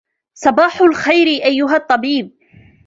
صباح الخير, أيها الطبيب!